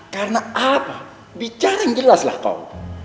karena apa bicara yang jelas lah kau